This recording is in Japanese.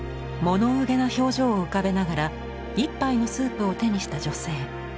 物憂げな表情を浮かべながら一杯のスープを手にした女性。